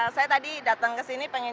saya tadi datang ke sini pengen